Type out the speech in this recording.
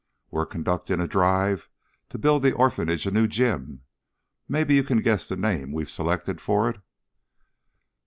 "We're conducting a drive to build the orphanage a new gym. Maybe you can guess the name we've selected for it?"